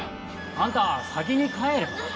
あんた先に帰れば？